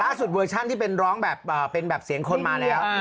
ล่าสุดเวอร์ชั่นที่เป็นร้องเป็นแบบเสียงคนมาแล้ว